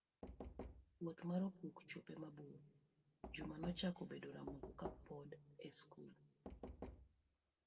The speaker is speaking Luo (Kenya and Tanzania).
Wuoth mar opuk, chope mabor, Juma nochako bedo ramoko kapod en e skul.